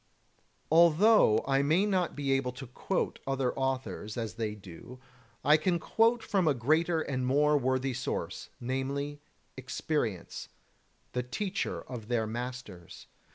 25. Although I may not be able to quote other authors, as they do, I can quote from a greater and more worthy source, namely, experience, the teacher of their masters.